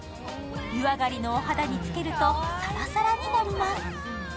湯上がりのお肌につけるとサラサラになります。